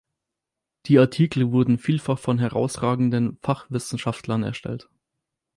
Die Artikel wurden vielfach von herausragenden Fachwissenschaftlern erstellt.